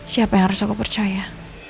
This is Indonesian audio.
siapa yang harus aku percaya